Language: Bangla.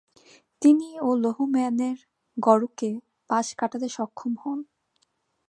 তিনি ও লোহম্যানের গড়কে পাশ কাটাতে সক্ষম হন।